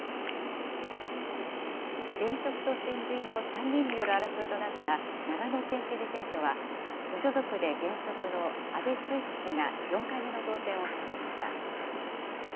現職と新人の３人による争いとなった長野県知事選挙は、無所属で現職の阿部守一氏が４回目の当選を果たしました。